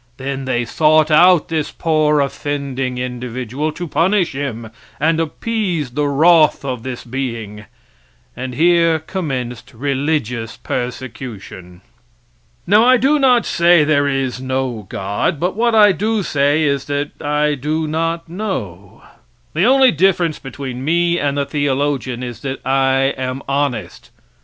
Then they sought out this poor offending individual, to punish him and appease the wroth of this being. And here commenced religious persecution. Now, I do not say there is no God, but what I do say is that I do not know. The only difference between me and the theologian is that I am honest.